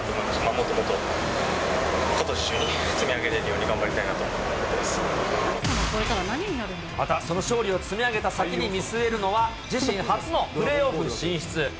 もっともっとことし中に積み上げれるように頑張りたいなと思ってまた、その勝利を積み上げた先に見据えるのは、自身初のプレーオフ進出。